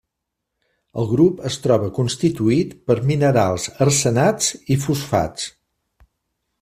El grup es troba constituït per minerals arsenats i fosfats.